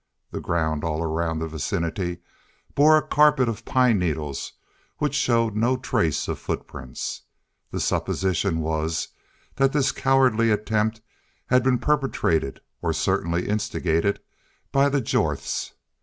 The 'ground all around that vicinity bore a carpet of pine needles which showed no trace of footprints. The supposition was that this cowardly attempt had been perpetrated, or certainly instigated, by the Jorths.